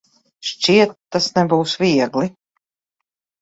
Šķiet, tas nebūs viegli.